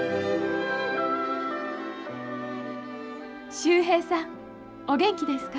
「秀平さん、お元氣ですか。